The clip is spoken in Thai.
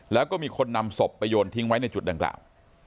แล้วก็มีคนนำศพไปโยนทิ้งไว้ในจุดดังกล่าว